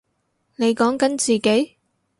你講緊自己？